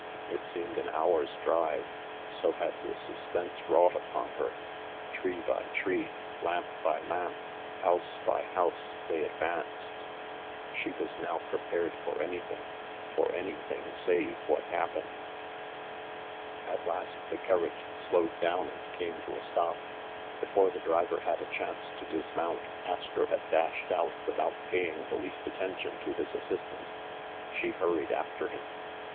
It seemed an hour's drive, so had the sus pense wrought upon her, — tree by tree, lamp by lamp, house by house, they advanced. She was now pre pared for anything, — for anything save what hap pened. At last the carriage slowed down and came to a stop. Before the driver had a chance to dismount, Astro had dashed out without paying the least attention to his assistant. She hurried after him.